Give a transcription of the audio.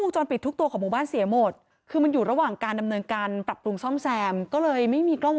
แบบรูกซ่อมแซมคึงมันอยู่ระหว่างการดำเนินการปรับปลูงซ่อมแซม